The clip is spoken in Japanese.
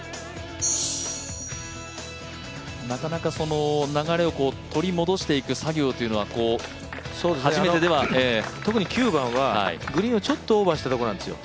なかなかその流れを取り戻していく作業というのは初めてでは特に９番はピンをオーバーしたところなんですよ。